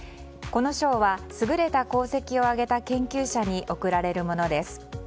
この賞は優れた功績を上げた研究者に贈られるものです。